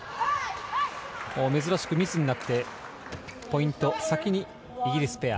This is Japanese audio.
珍しくミスになってポイント、先にイギリスペア。